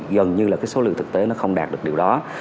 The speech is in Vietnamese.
gần như là cái số lượng thực tế nó không đạt được điều đó